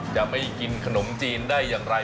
จะไม่กินขนมจีนได้อย่างไร